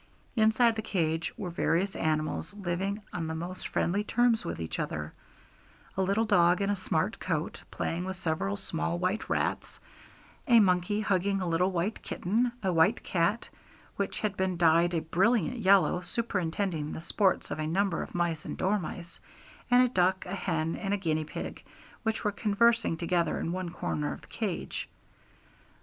Inside the cage were various animals, living on the most friendly terms with each other a little dog, in a smart coat, playing with several small white rats, a monkey hugging a little white kitten, a white cat, which had been dyed a brilliant yellow, superintending the sports of a number of mice and dormice; and a duck, a hen, and a guinea pig, which were conversing together in one corner of the cage.